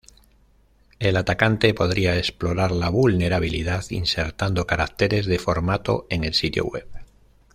El atacante podría explorar la vulnerabilidad insertando caracteres de formato en el sitio web.